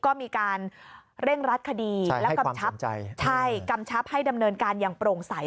ก็มีการเร่งรัดคดีและกำชับให้ดำเนินการอย่างโปร่งใส